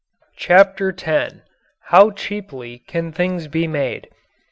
CHAPTER X HOW CHEAPLY CAN THINGS BE MADE?